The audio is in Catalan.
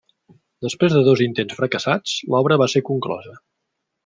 Després de dos intents fracassats, l'obra va ser conclosa.